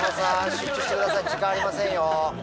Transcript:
集中してください時間ありませんよ。